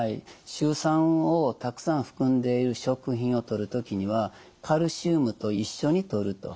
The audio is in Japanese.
シュウ酸をたくさん含んでいる食品をとる時にはカルシウムと一緒にとると。